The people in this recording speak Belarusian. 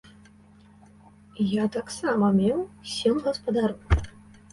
Я таксама меў сем гаспадароў.